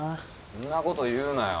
そんなこと言うなよ。